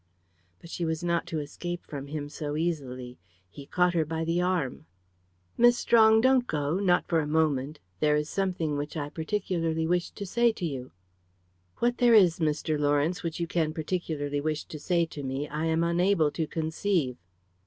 But she was not to escape from him so easily. He caught her by the arm. "Miss Strong, don't go not for a moment. There is something which I particularly wish to say to you." "What there is, Mr. Lawrence, which you can particularly wish to say to me I am unable to conceive."